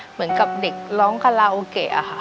เหมือนกับเด็กร้องคาราโอเกะอะค่ะ